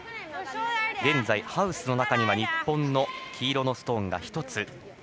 現在、ハウスの中には日本の黄色いストーンが１つ。